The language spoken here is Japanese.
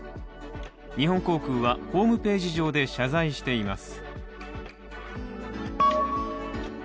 日本航空はホームページ上で謝罪しています。